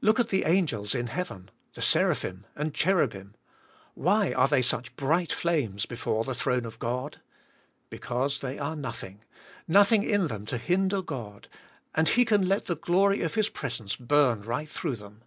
Look at the ang els in heaven, the seraphim and cherubim. Why are they such bright flames before the throne of God? Because they are noth ing , nothing in them to hinder God, and He can let the glory of His presence burn right through them.